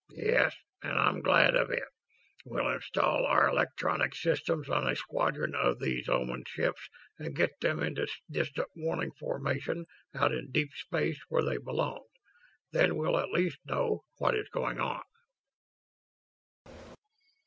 "Yes, and I'm glad of it. We'll install our electronics systems on a squadron of these Oman ships and get them into distant warning formation out in deep space where they belong. Then we'll at least know what is going on."